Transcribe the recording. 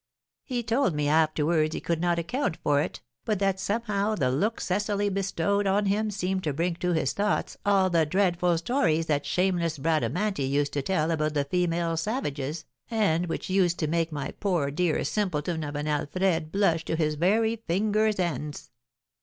He told me afterwards he could not account for it, but that somehow the look Cecily bestowed on him seemed to bring to his thoughts all the dreadful stories that shameless Bradamanti used to tell about the female savages, and which used to make my poor dear simpleton of an Alfred blush to his very fingers' ends."